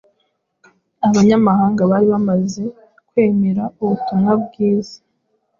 Abanyamahanga bari bamaze kwemera ubutumwa bwiza